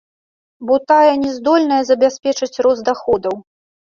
Бо тая не здольная забяспечыць рост даходаў.